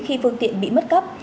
khi phương tiện bị mất cấp